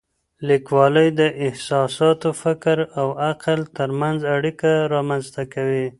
لیکوالی د احساساتو، فکر او عقل ترمنځ اړیکه رامنځته کوي.